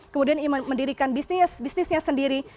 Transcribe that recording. kemudian ia mendirikan bisnisnya sendiri